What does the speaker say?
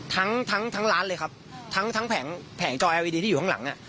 ทั้งทั้งทั้งร้านเลยครับทั้งทั้งแผงแผงจอเอลอีดีที่อยู่ข้างหลังอ่ะ